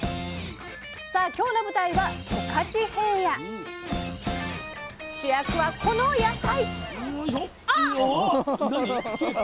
さあ今日の舞台は主役はこの野菜。